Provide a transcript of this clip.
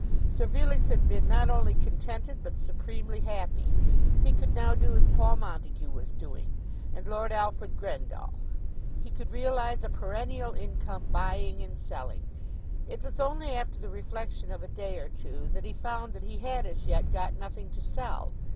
Sir Felix had been not only contented, but supremely happy. He could now do as Paul Montague was doing, and Lord Alfred Grendall. He could realize a perennial income, buying and selling. It was only after the reflection of a day or two that he found that he had as yet got nothing to sell.